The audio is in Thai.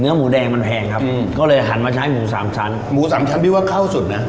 หมูแดงมันแพงครับอืมก็เลยหันมาใช้หมูสามชั้นหมูสามชั้นพี่ว่าเข้าสุดนะ